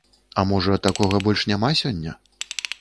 А можа, такога больш няма сёння?